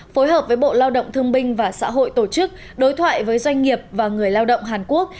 phối hợp với bộ lao động thương binh và xã hội tổ chức đối thoại với doanh nghiệp và người lao động hàn quốc